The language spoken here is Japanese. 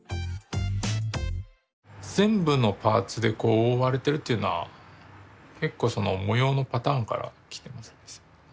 全部のパーツでこう覆われてるっていうのは結構その模様のパターンから来てますね。